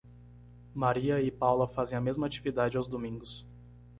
Maria e Paula fazem a mesma atividade aos domingos.